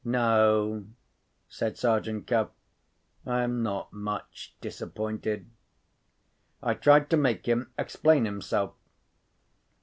"No," said Sergeant Cuff; "I am not much disappointed." I tried to make him explain himself.